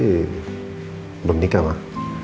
belum nikah mas